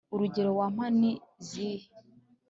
urugero wampa ni zihe